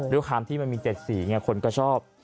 ด้วยความที่มันมี๗สีไงคนก็ชอบ